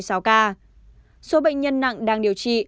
số bệnh nhân nặng đang điều trị